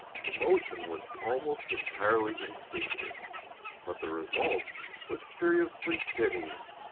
The motion was almost entirely instinctive, but the result was curiously steadying.